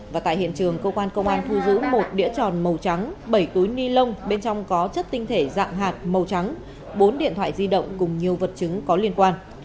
và tại hiện trường cơ quan công an thu giữ một đĩa tròn màu trắng bảy túi ni lông bên trong có chất tinh thể dạng hạt màu trắng bốn điện thoại di động cùng nhiều vật chứng có liên quan